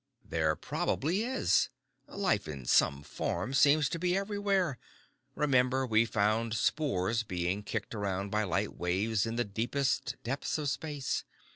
"There probably is. Life, in some form, seems to be everywhere. Remember we found spores being kicked around by light waves in the deepest depths of space.